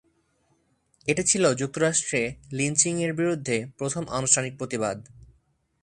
এটি ছিল যুক্তরাষ্ট্রে লিঞ্চিংয়ের বিরুদ্ধে প্রথম আনুষ্ঠানিক প্রতিবাদ।